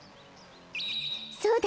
そうだ！